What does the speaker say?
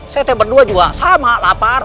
saya berdua juga sama lapar